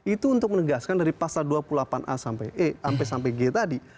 itu untuk menegaskan dari pasal dua puluh delapan a sampai g tadi